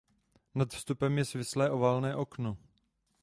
Nad vstupem je svislé oválné okno.